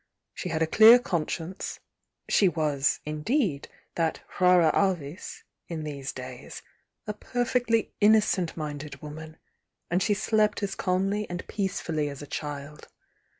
She had a clear conscience,— she was, indeed, that rara avis, in these days, a perfectly innocent minded woman, and she slept as calmly and peacefully as a child.